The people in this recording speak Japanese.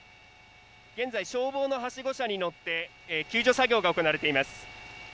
現在、消防のはしご車に乗って救助作業が行われています。